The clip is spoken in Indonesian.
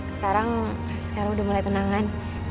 sekarang udah mulai tenangan